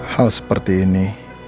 hal seperti ini